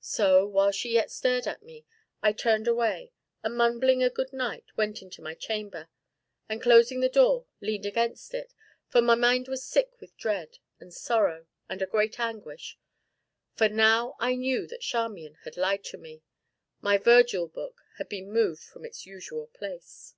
So, while she yet stared at me, I turned away, and, mumbling a good night, went into my chamber, and closing the door, leaned against it, for my mind was sick with dread, and sorrow, and a great anguish; for now I knew that Charmian had lied to me my Virgil book had been moved from its usual place.